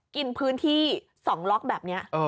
กินพื้นที่๒ล็อกแบบนี้